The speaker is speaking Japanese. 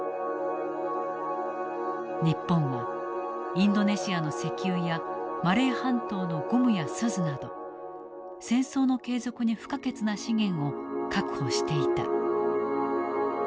日本はインドネシアの石油やマレー半島のゴムや錫など戦争の継続に不可欠な資源を確保していた。